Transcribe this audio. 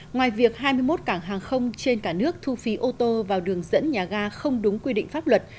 ngoài việc hai mươi một cảng hàng không trên cả nước thu phí ô tô vào đường dẫn nhà ga không đúng quy định pháp luật